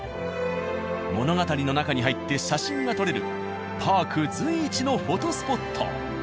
物語の中に入って写真が撮れるパーク随一のフォトスポット。